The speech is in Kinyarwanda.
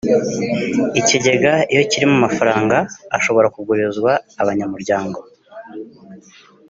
ikigega iyo kirimo amafaranga ashobora kugurizwa abanyamuryango